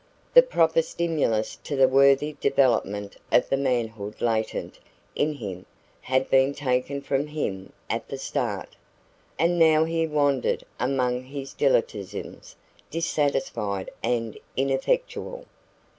The proper stimulus to the worthy development of the manhood latent in him had been taken from him at the start. And now he wandered amongst his dilettantisms, dissatisfied and ineffectual.